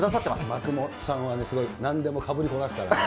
松本さんはなんでもかぶりこなすからね。